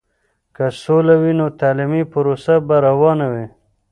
که سوله وي، نو تعلیمي پروسه به روانه وي.